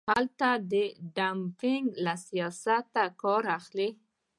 هلته د ډمپینګ له سیاسته کار اخلي.